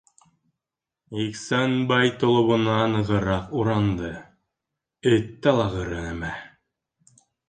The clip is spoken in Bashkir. - Ихсанбай толобона нығыраҡ уранды, - эт талағыры нәмә!